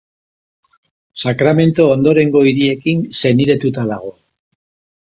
Sacramento ondorengo hiriekin senidetuta dago.